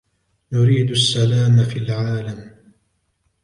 نريد السلام في العالم.